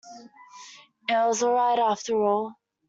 It was all right, after all.